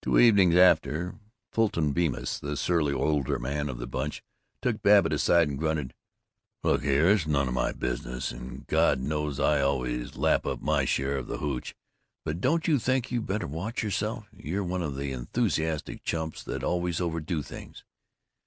Two evenings after, Fulton Bemis, the surly older man of the Bunch, took Babbitt aside and grunted, "Look here, it's none of my business, and God knows I always lap up my share of the hootch, but don't you think you better watch yourself? You're one of these enthusiastic chumps that always overdo things.